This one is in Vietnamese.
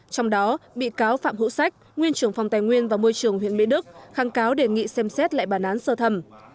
trong đó bị cáo phạm hữu sách nguyên trưởng phòng tài nguyên và môi trường huyện mỹ đức kháng cáo đề nghị xem xét lại bản án sơ thẩm